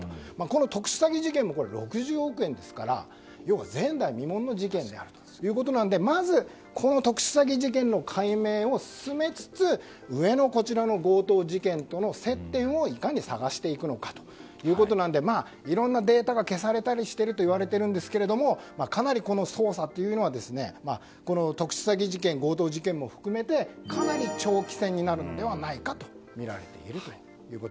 特殊詐欺事件も６０億円ですから前代未聞の事件であるということなのでまず、この特殊詐欺事件の解明を進めつつ上の強盗事件との接点をいかに探してくのかということなのでいろいろなデータが消されたりしているといわれてるんですがかなり、この捜査というのは特殊詐欺事件、強盗事件も含めてかなり長期戦になるのではないかと見られていると。